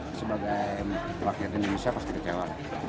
ya sebagai wakil indonesia pasti kecewa